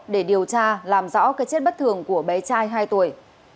để điều tra làm rõ cái chết bất thường của bé trai hai tuổi